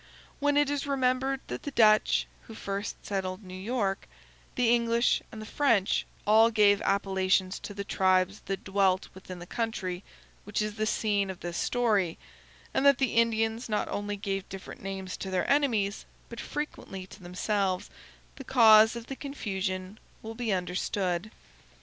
When it is remembered that the Dutch (who first settled New York), the English, and the French, all gave appellations to the tribes that dwelt within the country which is the scene of this story, and that the Indians not only gave different names to their enemies, but frequently to themselves, the cause of the confusion will be understood.